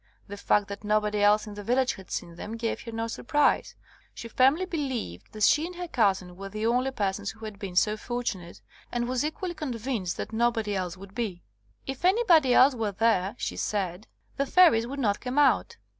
The fact that nobody else in the village had seen them gave her no surprise. She firmly be lieved that she and her cousin were the only persons who had been so fortunate, and was equally convinced that nobody else woidd be. *'If anybody else were there,'* she said, the fairies would not come out.''